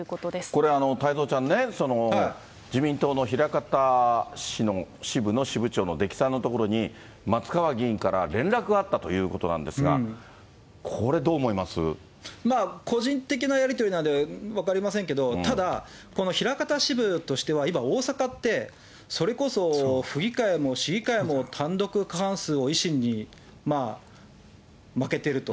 これ、太蔵ちゃんね、自民党の枚方市の支部の支部長の出来さんのところに、松川議員から連絡があったということなんですが、まあ、個人的なやり取りなので分かりませんけど、ただ、この枚方支部としては、今、大阪って、それこそ、府議会も市議会も、単独過半数を維新に負けてると。